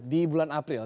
di bulan april